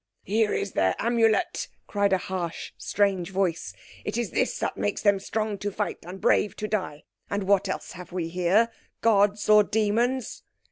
"Here is their Amulet," cried a harsh, strange voice; "it is this that makes them strong to fight and brave to die. And what else have we here—gods or demons?"